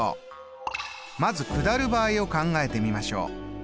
まず下る場合を考えてみましょう。